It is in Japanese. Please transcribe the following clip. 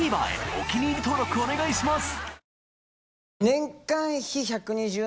お気に入り登録お願いします！